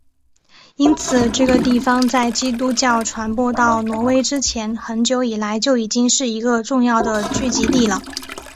因此这个地方在基督教传播到挪威之前很久以来就已经是一个重要的聚集地了。